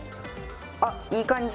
あっいい感じ！